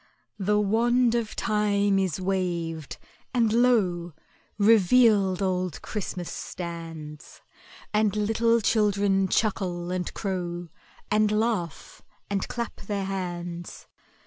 The wand of Time is waved, and lo! Revealed Old Christmas stands, And little children chuckle and crow, And laugh and clap their hands.